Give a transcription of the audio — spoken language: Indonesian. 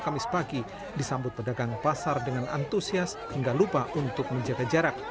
kamis pagi disambut pedagang pasar dengan antusias hingga lupa untuk menjaga jarak